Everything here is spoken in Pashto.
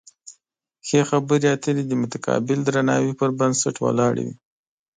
ښې خبرې اترې د متقابل درناوي پر بنسټ ولاړې وي.